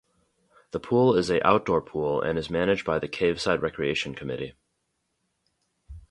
The pool is a outdoor pool and is managed by the Caveside Recreation Committee.